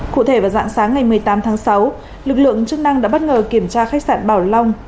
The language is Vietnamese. cụ thể vào dạng sáng ngày một mươi tám tháng sáu lực lượng chức năng đã bất ngờ kiểm tra khách sạn bảo long